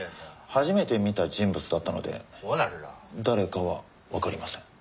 初めて見た人物だったので誰かはわかりません。